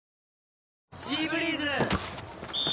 「シーブリーズ」！